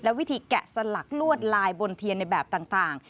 วิธีแกะสลักลวดลายบนเทียนในแบบต่าง